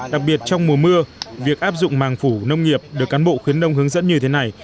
đặc biệt trong mùa mưa việc áp dụng màng phủ nông nghiệp được cán bộ khuyến đông hướng dẫn như thế này